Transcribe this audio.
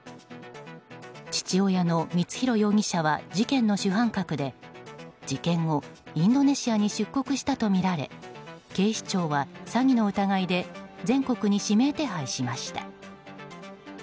父親の光弘容疑者は事件の主犯格で事件後、インドネシアに出国したとみられ警視庁は詐欺の疑いで全国に指名手配しました。